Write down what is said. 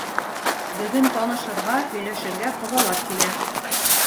Бөгөн танышырға, һөйләшергә ҡоҙалар килә.